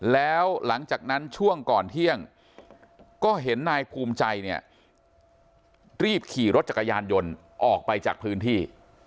แล้วหลังจากนั้นช่วงก่อนเที่ยงก็เห็นนายภูมิใจเนี่ยรีบขี่รถจักรยานยนต์ออกไปจากพื้นที่